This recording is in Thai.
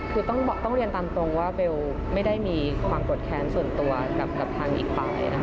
คือต้องเรียนตามตรงว่าเบลไม่ได้มีความกดแค้นส่วนตัวกับทางอีกฝ่ายนะคะ